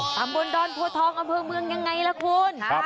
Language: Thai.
ตำบลดอนโพทองอำเภอเมืองยังไงล่ะคุณ